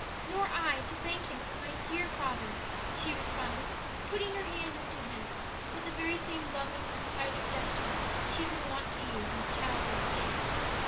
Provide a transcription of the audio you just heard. "Nor I to thank Him for my dear father," she responded, putting her hand into his, with the very same loving, confiding gesture she had been wont to use in childhood's days.